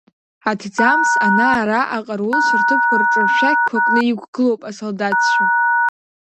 Аҭӡамц ана-ара аҟарулцәа рҭыԥқәа рҿы ршәақьқәа кны иқәгылоуп асолдаҭцәа.